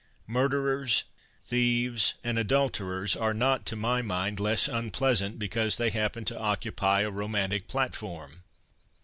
Murderers, thieves, and adulterers are not to my mind less unpleasant because they happened to occupy a ' romantic platform.'